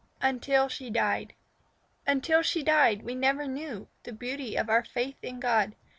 UNTIL SHE DIED Until she died we never knew The beauty of our faith in God.